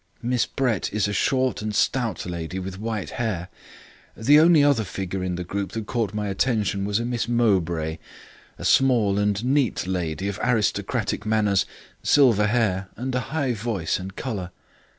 Miss Brett is a short and stout lady with white hair. The only other figure in the group that caught my attention was a Miss Mowbray, a small and neat lady of aristocratic manners, silver hair, and a high voice and colour.